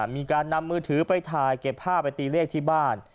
มีการนำมือถือไปถ่ายเก็บผ้าไปตีเลขที่บ้าน